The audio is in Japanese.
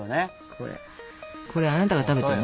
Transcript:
これあなたが食べてるの？